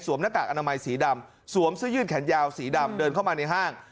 หน้ากากอนามัยสีดำสวมเสื้อยืดแขนยาวสีดำเดินเข้ามาในห้าง